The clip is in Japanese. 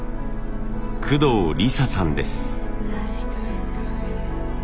工藤理沙さんです。